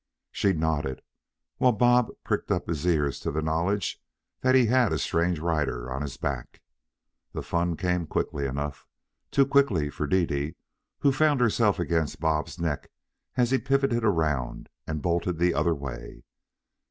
She nodded, while Bob pricked up his ears to the knowledge that he had a strange rider on his back. The fun came quickly enough too quickly for Dede, who found herself against Bob's neck as he pivoted around and bolted the other way.